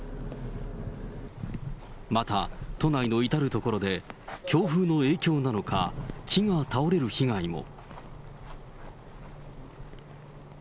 また都内の至る所で、強風の影響なのか、木が倒れる被害も。